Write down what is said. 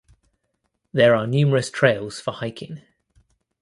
There are numerous trails for hiking.